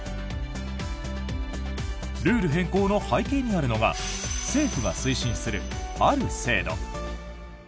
ルール変更の背景にあるのが政府が推進する、ある制度。